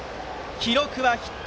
記録はヒット。